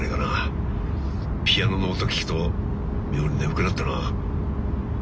ピアノの音聴くと妙に眠くなってな。